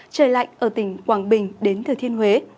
trời lạnh ở tỉnh quảng bình đến thừa thiên huế